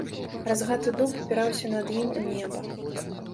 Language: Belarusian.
Разгаты дуб упіраўся над ім у неба.